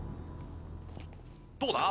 どうだ？